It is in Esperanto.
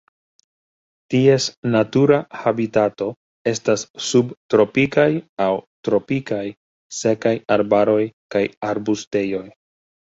Ties natura habitato estas subtropikaj aŭ tropikaj sekaj arbaroj kaj arbustejoj.